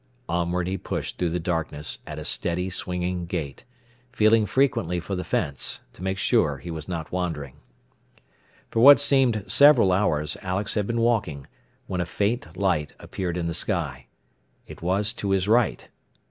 Onward he pushed through the darkness at a steady, swinging gait, feeling frequently for the fence, to make sure he was not wandering. For what seemed several hours Alex had been walking, when a faint light appeared in the sky. It was to his right.